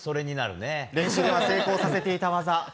練習では成功させていた技。